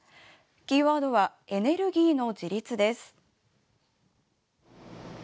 キーワードは「エネルギーの自立」です。